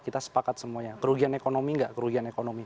kita sepakat semuanya kerugian ekonomi enggak kerugian ekonomi